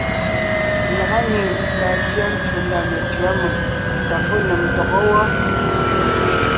Lagá nyìŋ kàa cʉa ncwò ndá metʉ̌a mèŋ tà fó nèm ntɔgɔ́ wɔ́.